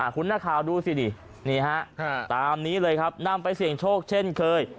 คุณนักข่าวดูสิดินี่ฮะตามนี้เลยครับนำไปเสี่ยงโชคเช่นเคย